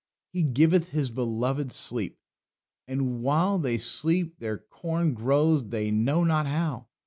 "He giveth His beloved sleep"; and while they sleep their corn grows they know not how.